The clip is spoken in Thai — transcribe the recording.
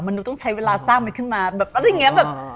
มันดูต้องใช้เวลาสร้างมันขึ้นมาแบบอะไรอย่างนี้แบบ